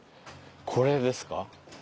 これですか？